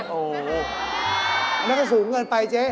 อันนั้นก็สูงเงินไปเจ๊